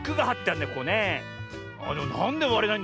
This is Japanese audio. あっでもなんでわれないんだろう？